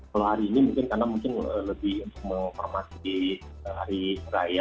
kalau hari ini mungkin karena mungkin lebih untuk menghormati hari raya